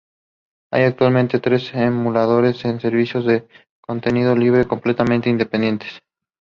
Based on the novel of the same name by Oles Honchar.